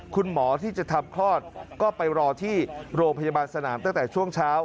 คุณหมอที่จะทำคลอดก็ไปรอที่โรงพยาบาลสนามตั้งแต่ช่วงเช้า